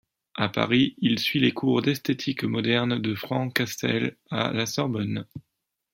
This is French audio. À Paris, il suit les cours d’esthétique moderne de Francastel à la Sorbonne.